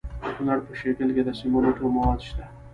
د کونړ په شیګل کې د سمنټو مواد شته.